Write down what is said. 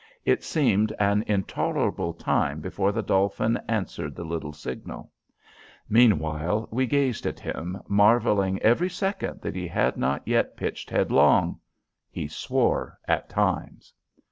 It seemed an intolerable time before the Dolphin answered the little signal. Meanwhile, we gazed at him, marvelling every second that he had not yet pitched headlong. He swore at times.